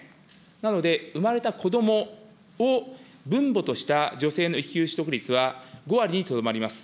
なので、生まれた子どもを分母とした女性の育休取得率は、５割にとどまります。